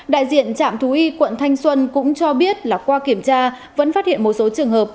đại diện trạm thú y quận thanh xuân cũng cho biết là qua kiểm tra vẫn phát hiện một số trường hợp